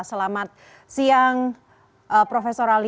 selamat siang prof ali